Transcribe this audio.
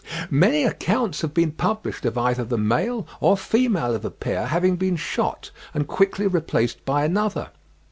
Many accounts have been published of either the male or female of a pair having been shot, and quickly replaced by another.